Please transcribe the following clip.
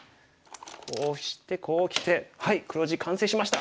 こうしてこうきてはい黒地完成しました。